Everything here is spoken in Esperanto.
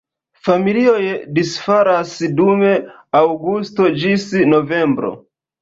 Familioj disfalas dum aŭgusto ĝis novembro.